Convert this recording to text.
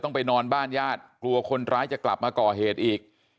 ไปนอนบ้านญาติกลัวคนร้ายจะกลับมาก่อเหตุอีก